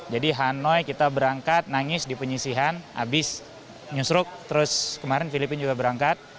jadi hanoi kita berangkat nangis di penyisihan habis nyusruk terus kemarin filipina juga berangkat